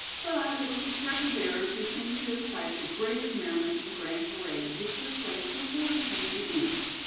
But it was the stretcher bearers who seemed to excite the greatest merriment in the grand parade which took place before the game began.